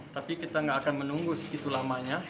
tapi kita tidak akan menunggu sebegitu lamanya